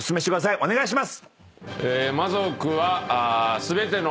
お願いします。